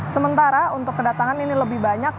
sementara untuk kedatangan ini lebih banyak